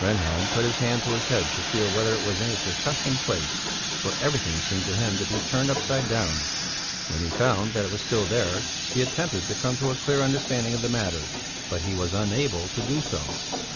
Rehnhjelm put his hand to his head to feel whether it was in its accustomed place, for everything seemed to him to be turned upside down. When he found that it was still there, he attempted to come to a clear understanding of the matter, but he was unable to do so.